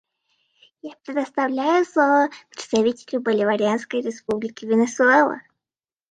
Я предоставляю слово представителю Боливарианской Республики Венесуэла.